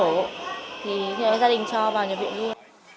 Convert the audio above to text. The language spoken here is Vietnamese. thì gia đình cho vào nhà viện luôn